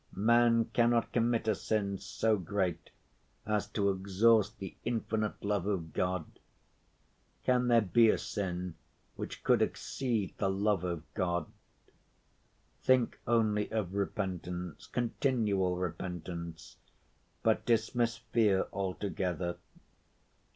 Man cannot commit a sin so great as to exhaust the infinite love of God. Can there be a sin which could exceed the love of God? Think only of repentance, continual repentance, but dismiss fear altogether.